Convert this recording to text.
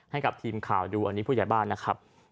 ให้กับทีมข่าวดูอันนี้ผู้ใหญ่บ้านนะครับ